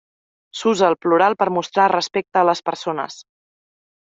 S'usa el plural per mostrar respecte a les persones.